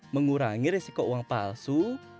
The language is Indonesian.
mengurangi resiko uang palsu